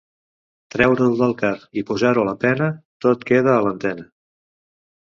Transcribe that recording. Treure-ho del car i posar-ho a la pena, tot queda a l'antena.